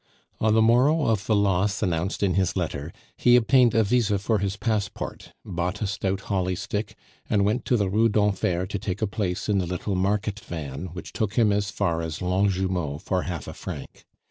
On the morrow of the loss announced in his letter, he obtained a visa for his passport, bought a stout holly stick, and went to the Rue d'Enfer to take a place in the little market van, which took him as far as Longjumeau for half a franc.